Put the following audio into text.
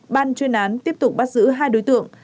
ban chuyên án tiếp tục bắt giữ hai đối tượng